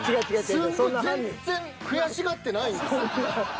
すっごい全然悔しがってないんです。